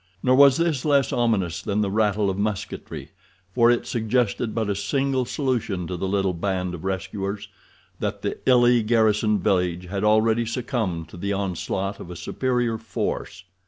Nor was this less ominous than the rattle of musketry, for it suggested but a single solution to the little band of rescuers—that the illy garrisoned village had already succumbed to the onslaught of a superior force.